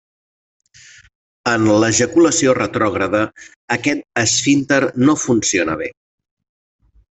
En l'ejaculació retrògrada, aquest esfínter no funciona bé.